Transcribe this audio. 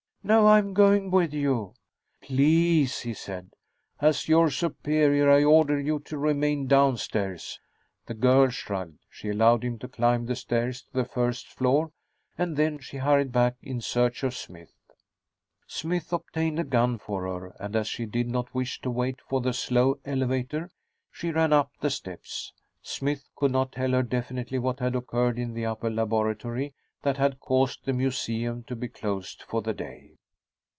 "No. I'm going with you." "Please," he said. "As your superior, I order you to remain downstairs." The girl shrugged. She allowed him to climb the stairs to the first floor, and then she hurried back in search of Smythe. Smythe obtained a gun for her, and as she did not wish to wait for the slow elevator, she ran up the steps. Smythe could not tell her definitely what had occurred in the upper laboratory that had caused the museum to be closed for the day.